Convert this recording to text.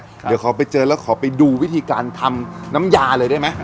เดี๋ยวขอไปเจอแล้วขอไปดูวิธีการทำน้ำยาเลยได้ไหม